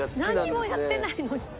なんにもやってないのに。